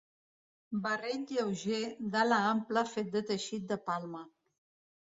Barret lleuger d'ala ampla fet de teixit de palma.